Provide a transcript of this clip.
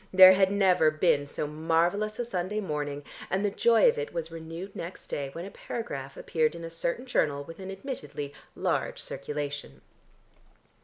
There had never been so marvellous a Sunday morning, and the joy of it was renewed next day when a paragraph appeared in a certain journal with an admittedly large circulation.